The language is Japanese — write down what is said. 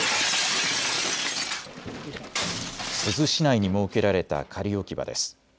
珠洲市内に設けられた仮置き場です。